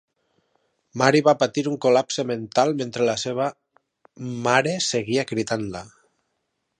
Mary va patir un col·lapse mental mentre la seva mare seguia cridant-la.